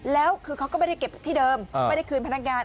แล้วคือเขาก็ไม่ได้เก็บที่เดิมไม่ได้คืนพนักงาน